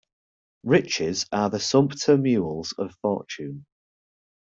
Riches are the sumpter mules of fortune.